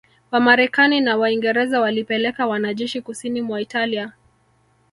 Wamarekani na Waingereza walipeleka wanajeshi Kusini mwa Italia